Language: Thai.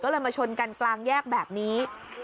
ก็เลยมาชนกันกลางแยกแบบนี้